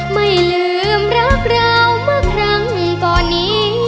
ไม่ลืมรักเราเมื่อครั้งก่อนนี้